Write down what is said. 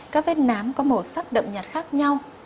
các vết nám có màu sắc đậm nhạt khác nhau